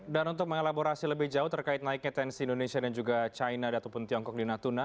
untuk mengelaborasi lebih jauh terkait naiknya tensi indonesia dan juga china ataupun tiongkok di natuna